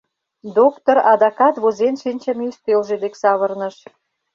— Доктыр адакат возен шинчыме ӱстелже дек савырныш.